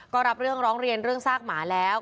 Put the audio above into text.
ก็รับเรื่องร้องเรียนเรื่องซากหมาแล้ว